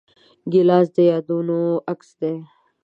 ګیلاس د یادونو عکس دی.